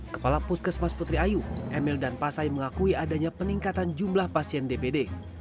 kepala puskesmas putri ayu emil dan pasai mengakui adanya peningkatan jumlah pasien dpd